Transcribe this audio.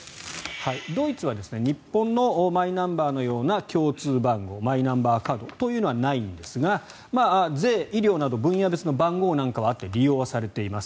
ドイツは日本のマイナンバーのような共通番号マイナンバーカードというものはないんですが税、医療など分野別の番号はあって利用されています。